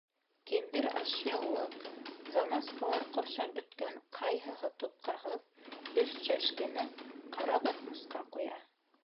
Киндер ашъяулыҡ, замаскалар ҡоршап бөткән, ҡайһыһы тотҡаһыҙ өс шәшкене ҡара батмусҡа ҡуя.